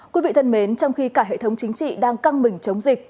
quý vị thân mến trong khi cả hệ thống chính trị đang căng mình chống dịch